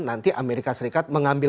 nanti amerika serikat mengambil